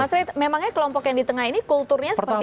mas roy memangnya kelompok yang di tengah ini kulturnya seperti apa